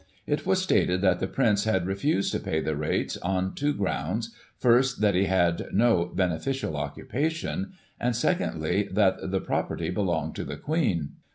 It was stated that the Prince had refused to pay the rates on two grounds, first, that he had no "beneficial occupation," and, secondly, that " the property belonged to the Queen."